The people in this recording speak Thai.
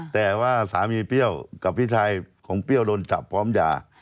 แต่ว่าสามีเปรี้ยวกับพี่ชายของเปรี้ยวโดนจับพร้อมยา